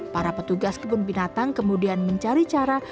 para petugas kebun binatang kemudian mencari cara